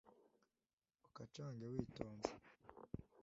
ukacange witonze